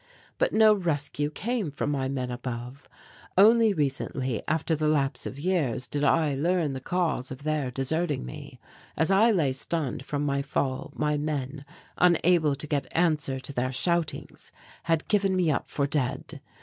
But no rescue came from my men above. Only recently, after the lapse of years, did I learn the cause of their deserting me. As I lay stunned from my fall, my men, unable to get answer to their shoutings, had given me up for dead.